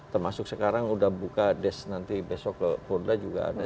termasuk sekarang sudah buka desk nanti besok ke purda juga ada